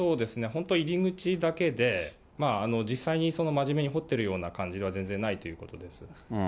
本当、入り口だけで、実際に真面目に掘ってるような感じでは全然ないということです。